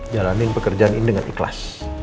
jalanin pekerjaan ini dengan ikhlas